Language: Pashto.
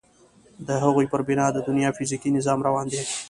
د هغوی پر بنا د دنیا فیزیکي نظام روان دی.